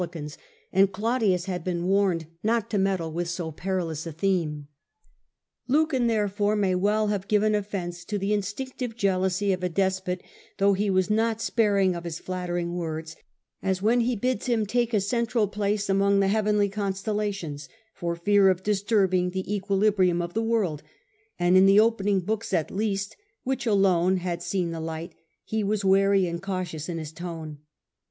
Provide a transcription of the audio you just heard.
licans; and Claudius had been warned not to meddle with so perilous a theme. Lucan, therefore, may well have given offence to the instinc choice of tive jealousy of a despot, though he was not s>jbjcct sparing of his flattering words, as when he bids him take a central place among the heavenly constellations, for fear of disturbing the equilibrium of the world ; and in the opening books, at least, which alone had seen the light, he was wary and cautious in his tone.